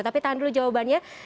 tapi tahan dulu jawabannya